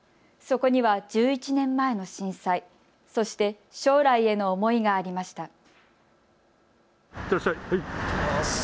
そこには１１年前の震災、そして将来への思いがありました。